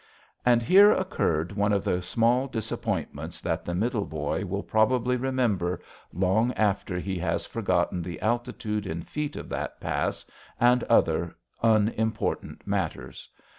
And here occurred one of the small disappointments that the Middle Boy will probably remember long after he has forgotten the altitude in feet of that pass and other unimportant matters.